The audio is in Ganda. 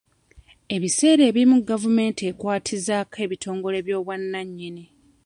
Ebiseera ebimu gavumenti ekwatizaako ebitongole by'obwannannyini.